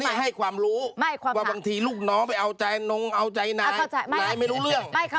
ให้ความรู้ว่าบางทีลูกน้องไปเอาใจนงเอาใจนายนายไม่รู้เรื่อง